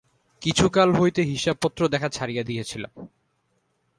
কিছুকাল হইতে হিসাবপত্র দেখা ছাড়িয়া দিয়াছিলাম।